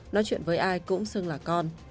nói chuyện với ai cũng sư là con